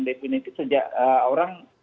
definitif sejak orang